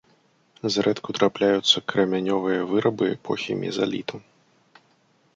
Зрэдку трапляюцца крамянёвыя вырабы эпохі мезаліту.